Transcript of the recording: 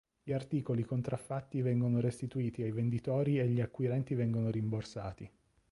Gli articoli contraffatti vengono restituiti ai venditori e gli acquirenti vengono rimborsati.